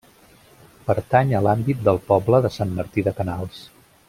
Pertany a l'àmbit del poble de Sant Martí de Canals.